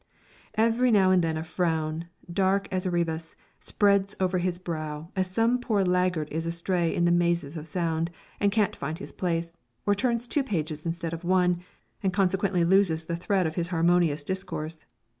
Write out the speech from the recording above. Every now and then a frown, dark as Erebus, spreads over his brow, as some poor laggard is astray in the mazes of sound, and can't find his place, or turns two pages instead of one, and consequently loses the thread of his harmonious discourse.